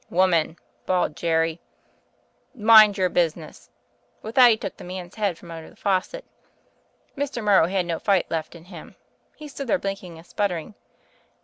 * Woman,' bawled Jerry, 'mind your business.' With that, he took the man's head from under the faucet. Mr. Morrow had no fight left in him : he stood there blinking and sputtering.